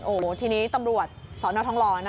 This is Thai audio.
โอ้โหทีนี้ตำรวจสนทองหล่อนะ